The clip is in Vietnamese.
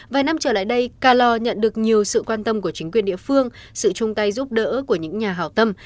vài năm trở lại đây calor nhận được nhiều sự quan tâm của chính quyền địa phương sự chung tay giúp đỡ của những nhà hào tâm